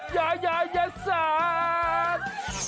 สะสัก